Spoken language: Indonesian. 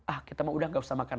ah kita mau udah gak usah makan